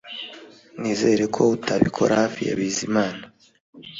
Nizere ko utabikora hafi ya Bizimana